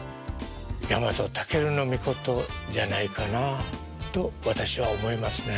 日本武尊じゃないかなと私は思いますね。